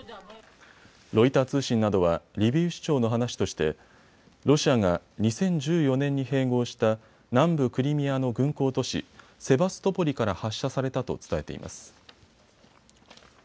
ロイター通信などはリビウ市長の話としてロシアが２０１４年に併合した南部クリミアの軍港都市セバストポリから発射されたと伝えています。